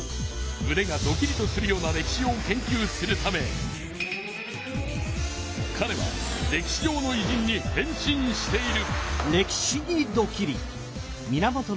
むねがドキリとするような歴史を研究するためかれは歴史上のいじんに変身している。